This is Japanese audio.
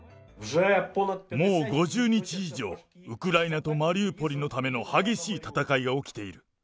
もう５０日以上、ウクライナとマリウポリのための激しい戦いが起きている。